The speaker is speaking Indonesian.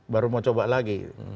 baru mau coba lagi